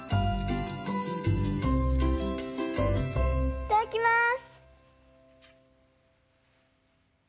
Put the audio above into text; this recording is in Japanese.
いただきます！